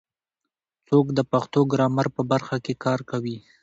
څوک د پښتو ګرامر په برخه کې کار کوي؟